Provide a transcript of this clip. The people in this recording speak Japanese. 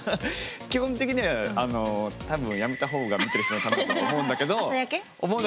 基本的には多分やめたほうが見てる人のためだと思うんだけど。